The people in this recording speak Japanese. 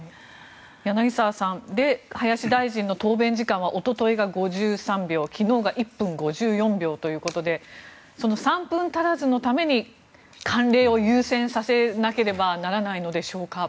柳澤さん林大臣の答弁時間はおとといが５３秒昨日が１分５４秒ということで３分足らずのために慣例を優先させなければならないのでしょうか。